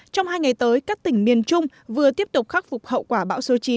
trong hai ngày tới các tỉnh miền trung vừa tiếp tục khắc phục hậu quả bão số chín